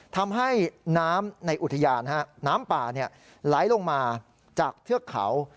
ทำให้น้ำในอุทยานน้ำป่าไหลลงมาจากเทือกเขา